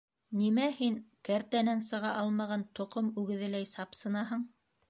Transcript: Нимә һин... кәртәнән сыға алмаған тоҡом үгеҙеләй сапсынаһың?